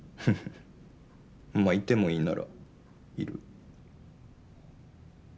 まあいてもいいならいる。